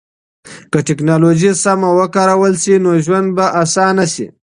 که ټکنالوژي سمه وکارول سي نو ژوند به اسانه سي.